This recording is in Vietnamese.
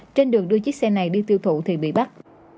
trên đường đưa chiếc xe này đi tiêu thụ thì bị bắt